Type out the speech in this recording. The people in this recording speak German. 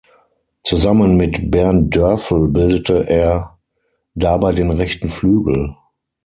Zusammen mit Bernd Dörfel bildete er dabei den rechten Flügel.